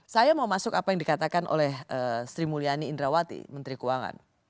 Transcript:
saya mau masuk apa yang dikatakan oleh sri mulyani indrawati menteri keuangan